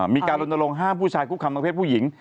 มีการลนลงห้ามผู้ชายคุกคำประเภทผู้หญิง